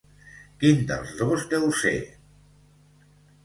Quin dels dos deu ser?